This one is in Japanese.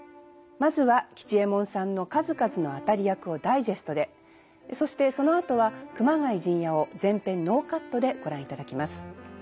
まずは吉右衛門さんの数々の当たり役をダイジェストでそしてそのあとは「熊谷陣屋」を全編ノーカットでご覧いただきます。